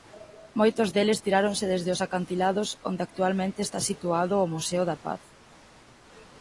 Moitos deles tiráronse desde os acantilados onde actualmente está situado o Museo da Paz.